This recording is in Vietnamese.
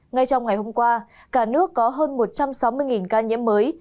ngay trong ngày hôm qua cả nước có hơn một trăm sáu mươi ca nhiễm mới